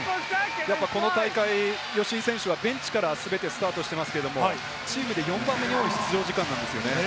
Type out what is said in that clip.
この大会、吉井選手はベンチからスタートしていますが、チームで４番目に多い出場時間なんですよね。